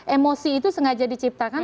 emosi itu sengaja diciptakan